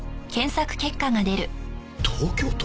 東京都？